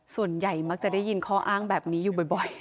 ส่วนใหญ่มักจะได้ยินข้ออ้างแบบนี้อยู่บ่อย